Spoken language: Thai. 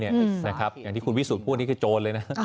อย่างที่คุณวิสุทธิ์พูดนี้คือจนเลยนะ